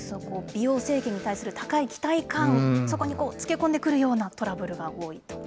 美容整形に対する高い期待感、そこにつけこんでくるようなトラブルが多いと。